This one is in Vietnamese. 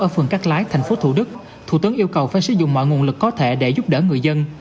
đoàn công tác lái thành phố thủ đức thủ tướng yêu cầu phải sử dụng mọi nguồn lực có thể để giúp đỡ người dân